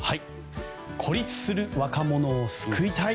孤立する若者を救いたい。